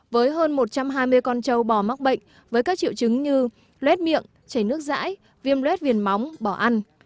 với hơn một trăm hai mươi con trâu bò mắc bệnh với các triệu chứng như lét miệng chảy nước rãi viêm lết viêm móng bỏ ăn